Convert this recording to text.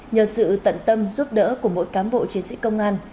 nhờ sự tận tâm giúp đỡ của mỗi cám bộ chiến sĩ công an